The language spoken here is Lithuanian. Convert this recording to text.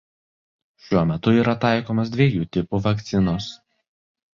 Šiuo metu yra taikomos dviejų tipų vakcinos.